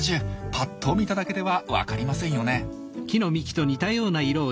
ぱっと見ただけでは分かりませんよね。